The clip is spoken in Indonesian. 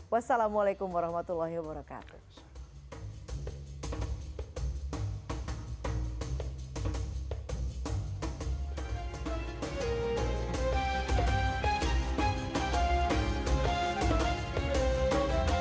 wassalamualaikum warahmatullahi wabarakatuh